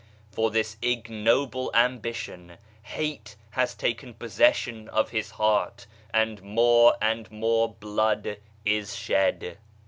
For this ignoble ambition hate has taken possession of his heart, and more and more blood is shed